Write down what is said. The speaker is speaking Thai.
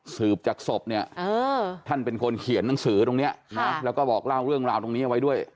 สืบจากศพเนี่ยท่านเป็นคนเขียนหนังสือตรงนี้นะแล้วก็บอกเล่าเรื่องราวตรงนี้เอาไว้ด้วย